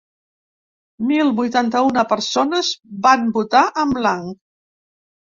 Mil vuitanta-una persones van votar en blanc.